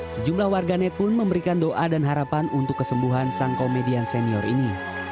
sejumlah warganet pun memberikan doa dan harapan untuk kesembuhan sang komedian senior ini